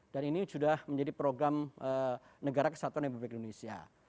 dan ini sudah menjadi program negara kesatuan yang berpikir indonesia